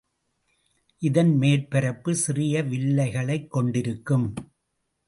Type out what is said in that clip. இதன் மேற்பரப்பு சிறிய வில்லைகளைக் கொண்டிருக்கும்.